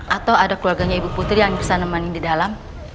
atau ada keluarganya ibu putri yang bisa nemanin di dalam